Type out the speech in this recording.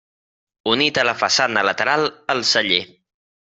Unit a la façana lateral, el celler.